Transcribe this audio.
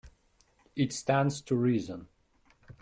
It stands to reason.